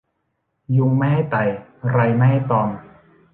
ยุงไม่ให้ไต่ ไรไม่ให้ตอม